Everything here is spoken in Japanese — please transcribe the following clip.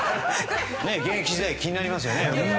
現役時代が気になりますね。